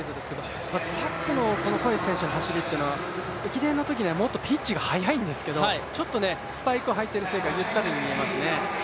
トラックのコエチ選手の走りというのは駅伝のときにはもっとピッチが速いんですけどちょっとスパイクを履いているせいかゆっくりに見えますね。